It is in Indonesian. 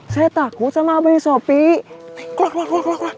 saya takut saman news